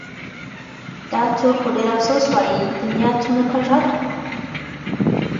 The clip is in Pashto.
دا څوک په ډېر افسوس وايي : دنيا څونه کږه ده